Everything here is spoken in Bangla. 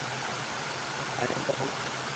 হানিমুন কেমন কাটল?